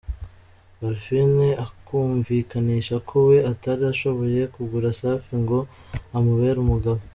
Parfine akumvikanisha ko we atari ashoboye kugura Safi ngo amubere umugabo.